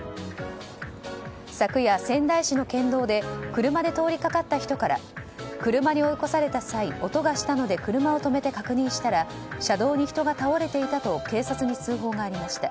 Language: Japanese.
昨夜、仙台市の県道で車で通りかかった人から車に追い越された際音がしたので車を止めて確認したら車道に人が倒れていたと警察に通報がありました。